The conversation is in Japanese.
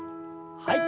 はい。